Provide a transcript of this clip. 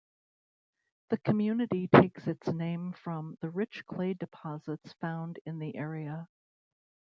The community takes its name from the rich clay deposits found in the area.